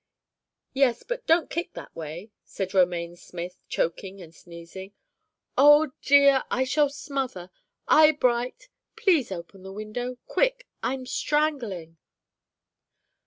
"Yes, but don't kick that way," said Romaine Smith, choking and sneezing. "Oh dear, I shall smother. Eyebright, please open the window. Quick, I am strangling."